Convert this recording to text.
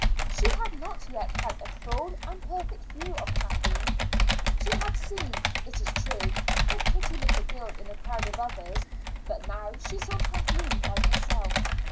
She had not yet had a full and perfect view of Kathleen. She had seen, it is true, the pretty little girl in a crowd of others; but now she saw Kathleen by herself.